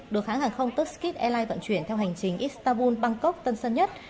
được hãng hàng không tuskid airlines vận chuyển theo hành trình istanbul bangkok tân sơn nhất